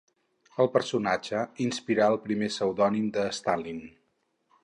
El personatge inspirà el primer pseudònim de Stalin.